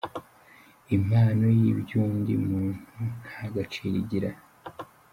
Impano y’iby’undi muntu nta gaciro igira”.